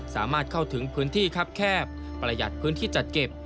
สามารถเข้าถึงพื้นที่ครับแคบประหยัดพื้นที่จัดเก็บ